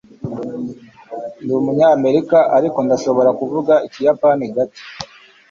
ndi umunyamerika, ariko ndashobora kuvuga ikiyapani gake